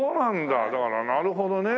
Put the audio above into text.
だからなるほどね。